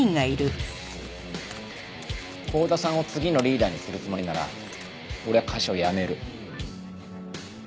幸田さんを次のリーダーにするつもりなら俺は会社を辞める。